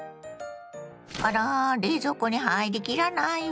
あら冷蔵庫に入り切らないわ。